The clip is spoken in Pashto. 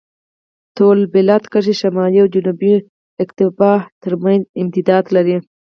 طول البلد کرښې شمالي او جنوبي اقطاب ترمنځ امتداد لري.